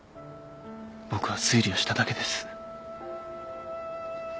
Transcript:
僕は推理をしただけです。